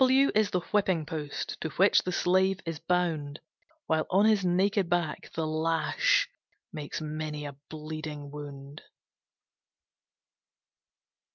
W W is the Whipping post, To which the slave is bound, While on his naked back, the lash Makes many a bleeding wound.